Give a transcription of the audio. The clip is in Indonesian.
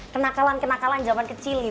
kena kalan kena kalan zaman kecil